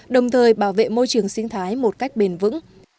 đồng thời bảo vệ môi trường sinh thái một cách bền vững